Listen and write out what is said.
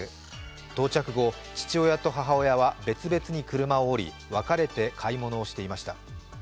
到着後、父親と母親は別々に車を降り分かれて買い物をしていました。